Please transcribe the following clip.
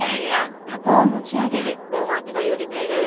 あっ思ったより軽い。